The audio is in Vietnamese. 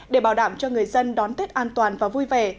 để bảo đảm cho người dân đón tết an toàn và vui vẻ